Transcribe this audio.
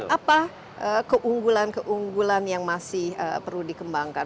apa keunggulan keunggulan yang masih perlu dikembangkan